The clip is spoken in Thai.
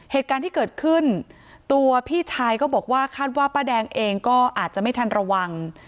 เหตุการณ์ที่เกิดขึ้นตัวพี่ชายก็บอกว่าคาดว่าป้าแดงเองก็อาจจะไม่ทันระวัง